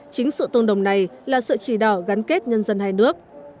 chính sự tương đồng này là sự chỉ đỏ gắn kết nhân dân hai nước